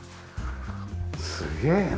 すげえな。